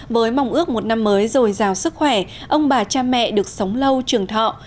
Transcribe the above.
với mong ước một năm mới rồi giàu sức khỏe ông bà cha mẹ được sống lâu trường thọ